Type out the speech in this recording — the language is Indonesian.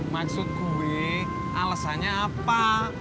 maksud gue alasannya apa